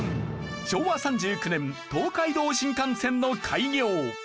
昭和３９年東海道新幹線の開業。